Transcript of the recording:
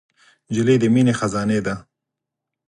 نجلۍ د مینې خزانې ده.